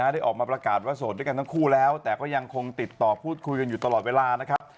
ได้ออกมาประกาศว่าโสดด้วยกันทั้งคู่แล้วแต่ก็ยังคงติดต่อพูดคุยกันอยู่ตลอดเวลานะครับ